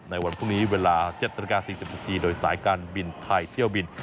ในวันพรุ่งนี้เวลา๗นาฬิกา๔๐นาทีโดยสายการบินไทยเที่ยวบิน